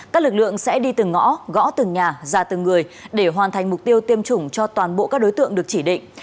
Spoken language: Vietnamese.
các lực lượng sẽ đi từng ngõ gõ từng nhà ra từng người để hoàn thành mục tiêu tiêm chủng cho toàn bộ các đối tượng được chỉ định